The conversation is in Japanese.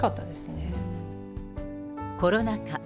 コロナ禍。